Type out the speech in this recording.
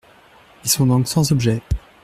Ils sont donc sans objet.